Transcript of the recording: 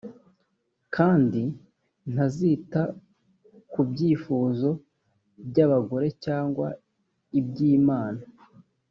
kandi ntazita ku byifuzo by abagore cyangwa iby imana